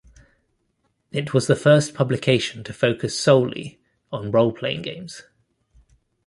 It was the first publication to focus solely on role-playing games.